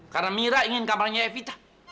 karena mira ingin kamarnya eh vita